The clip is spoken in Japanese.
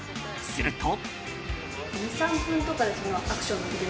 すると。